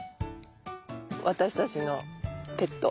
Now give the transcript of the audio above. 私たちのペット。